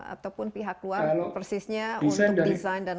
ataupun pihak luar persisnya untuk desain dan lain sebagainya